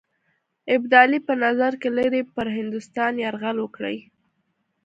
ابدالي په نظر کې لري پر هندوستان یرغل وکړي.